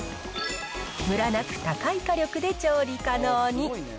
むらなく高い火力で調理可能に。